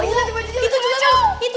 itu masuk situ